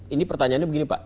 ini pertanyaannya begini pak